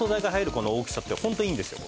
この大きさってホントいいんですよ